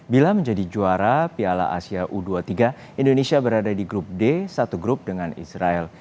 bila menjadi juara piala asia u dua puluh tiga indonesia berada di grup d satu grup dengan israel